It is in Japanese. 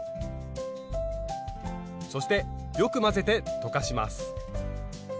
そしてよく混ぜて溶かします。